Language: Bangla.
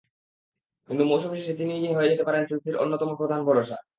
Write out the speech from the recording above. কিন্তু মৌসুম শেষে তিনিই হয়ে যেতে পারেন চেলসির অন্যতম প্রধান ভরসা।